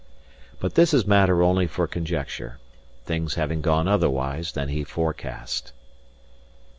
But this is matter only for conjecture, things having gone otherwise than he forecast.